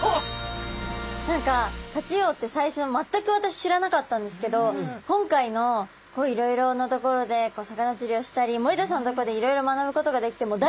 何かタチウオって最初全く私知らなかったんですけど今回のいろいろなところで魚釣りをしたり森田さんのところでいろいろ学ぶことができてああ